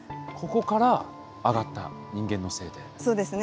ここから上がった人間のせいで。